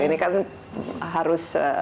ini kan harus